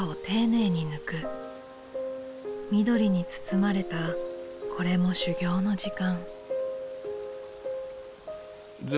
緑に包まれたこれも修行の時間。